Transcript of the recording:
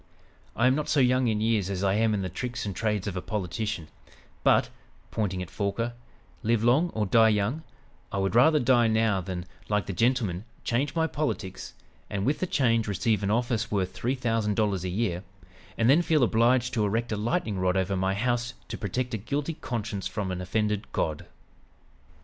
I am not so young in years as I am in the tricks and trades of a politician, but" pointing at Forquer "live long or die young, I would rather die now than, like the gentleman, change my politics, and with the change receive an office worth three thousand dollars a year, and then feel obliged to erect a lightning rod over my house to protect a guilty conscience from an offended God!"